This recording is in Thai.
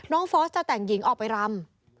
ฟอสจะแต่งหญิงออกไปรำ